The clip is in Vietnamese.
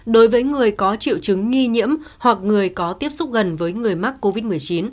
đối với người có triệu chứng nghi nhiễm hoặc người có tiếp xúc gần với người mắc covid một mươi chín